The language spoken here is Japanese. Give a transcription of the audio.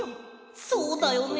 そうだよね。